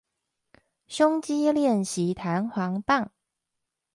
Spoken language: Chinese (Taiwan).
胸肌練習彈簧棒